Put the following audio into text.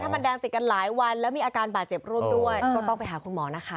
มันแดงติดกันหลายวันแล้วมีอาการบาดเจ็บร่วมด้วยก็ต้องไปหาคุณหมอนะคะ